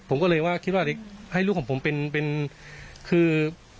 ผมก็เลยว่าคิดว่าให้ลูกของผมเป็นคือ